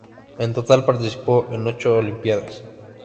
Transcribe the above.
En total, participó en ocho olimpiadas.